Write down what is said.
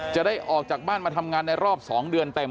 จะได้ออกจากบ้านมาทำงานในรอบ๒เดือนเต็ม